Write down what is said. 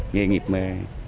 người nghiệp mà